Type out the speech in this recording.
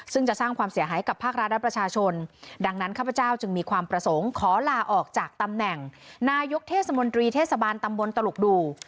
ซึ่งจะสร้างความเสียหายกับภาครัฐและประชาชนดังนั้นข้าพเจ้าจึงมีความประสงค์ขอลาออกจากตำแหน่งนายกเทศมนตรีเทศบาลตำบลตลุกดู